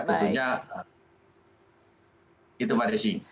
tentunya itu pada sini